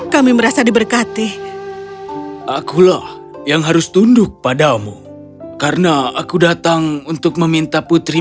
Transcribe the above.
kami merasa diberkati akulah yang harus tunduk padamu karena aku datang untuk meminta putri